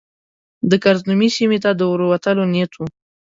د کرز نومي سیمې ته د ورتلو نیت و.